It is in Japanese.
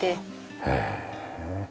へえ。